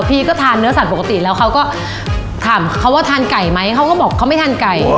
พี่ก็ทานเนื้อสัตว์ปกติแล้วเขาก็ถามเขาว่าทานไก่ไหมเขาก็บอกเขาไม่ทานไก่